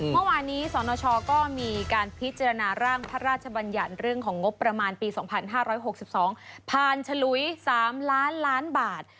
เมื่อวานนี้สนชก็มีการพิจารณาร่างพระราชบัญญัติเรื่องของงบประมาณปี๒๕๖๒ผ่านฉลุย๓ล้านล้านบาท